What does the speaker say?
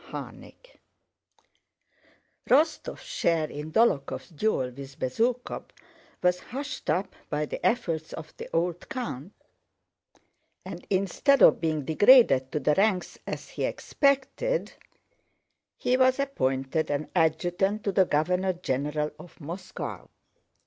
CHAPTER X Rostóv's share in Dólokhov's duel with Bezúkhov was hushed up by the efforts of the old count, and instead of being degraded to the ranks as he expected he was appointed an adjutant to the governor general of Moscow.